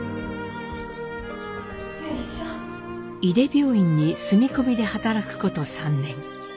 井手病院に住み込みで働くこと３年。